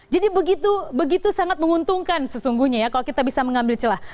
jadi begitu sangat menguntungkan sesungguhnya ya kalau kita bisa mengambil celah